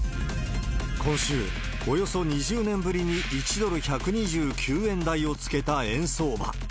今週、およそ２０年ぶりに１ドル１２９円台をつけた円相場。